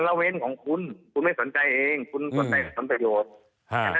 ละเว้นของคุณคุณไม่สนใจเองคุณสนใจผลประโยชน์